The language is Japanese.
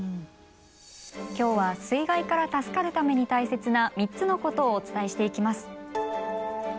今日は水害から助かるために大切な３つのことをお伝えしていきます。